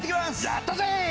やったー！